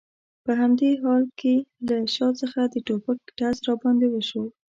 په همدې حال کې له شا څخه د ټوپک ډز را باندې وشو.